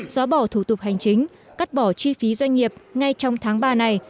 xóa bỏ thủ tục hành chính cắt bỏ chi phí doanh nghiệp ngay trong tháng ba này